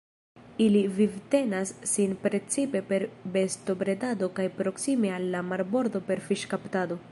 Ili vivtenas sin precipe per bestobredado kaj proksime al la marbordo per fiŝkaptado.